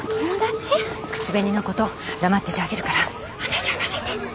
口紅のこと黙っててあげるから話合わせて。